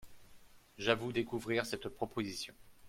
J’avoue découvrir cette proposition.